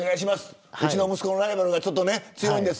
うちの息子のライバルが強いんです。